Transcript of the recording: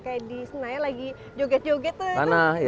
kayak di senayan lagi joget joget tuh